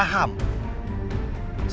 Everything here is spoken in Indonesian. saya hanya menemukan ini di tengah jalan